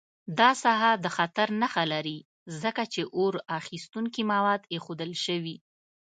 دا ساحه د خطر نښه لري، ځکه چې اور اخیستونکي مواد ایښودل شوي.